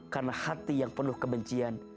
karena hati yang penuh kebencian